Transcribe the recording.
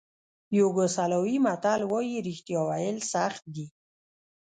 یوګوسلاویې متل وایي رښتیا ویل سخت دي.